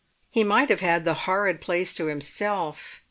He might have had the horrid place to himself.